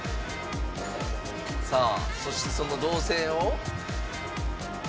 さあそしてその銅線を。